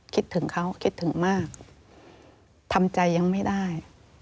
คิดถึงเขาคิดถึงมากทำใจยังไม่ได้